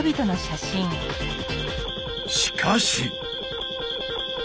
しかし！